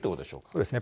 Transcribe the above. そうですね。